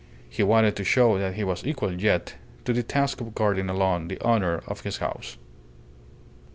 He wanted to show that he was equal yet to the task of guarding alone the honour of his house.